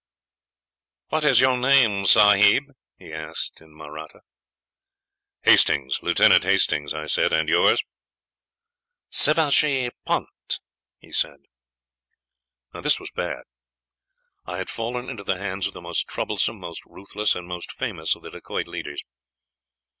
"'What is your name, sahib?' he asked in Mahratta. "'Hastings Lieutenant Hastings,' I said. 'And yours?' "'Sivajee Punt!' he said. "This was bad. I had fallen into the hands of the most troublesome, most ruthless, and most famous of the Dacoit leaders.